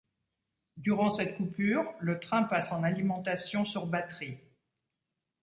Durant cette coupure, le train passe en alimentation sur batterie.